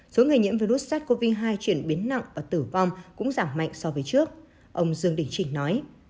số người nhiễm virus sars cov hai chuyển biến nặng và tử vong cũng giảm mạnh so với trước ông dương đình trình nói